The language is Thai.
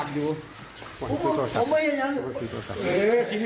บันเวณขึ้นจากผมมา